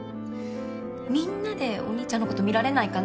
みんなでお兄ちゃんの事見られないかな？